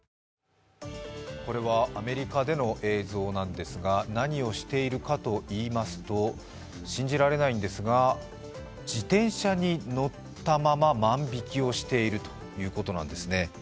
これはアメリカでの映像なんですが、何をしているかといいますと信じられないんですが自転車に乗ったまま万引きをしているということなんですね。